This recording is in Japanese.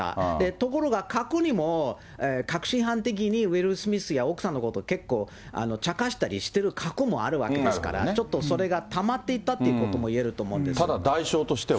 ところが、過去にも確信犯的にウィル・スミスや奥さんのことを結構、茶化したりしてる過去もあるわけですから、ちょっとそれがたまっていたということもいえるとただ、代償としては。